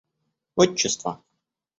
Отчество